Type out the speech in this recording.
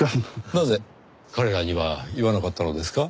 なぜ彼らには言わなかったのですか？